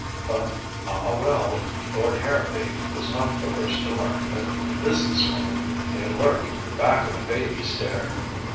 But ah, well, Lord Harrowby was not the first to learn that a business woman may lurk back of a baby stare.